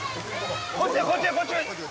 こっちこっちこっち。